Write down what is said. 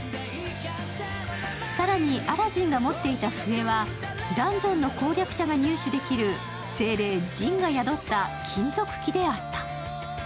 更にアラジンが持っていた笛はダンジョンの攻略者が入手できる精霊・ジンが宿った金属器であった。